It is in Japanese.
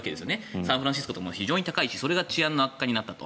サンフランシスコとかも非常に高いしそれが治安の悪化になったと。